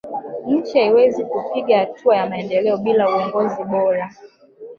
nchi haiwezi kupiga hatua ya maendeleo bila uongozi bora